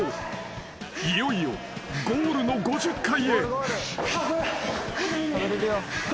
［いよいよゴールの５０階へ］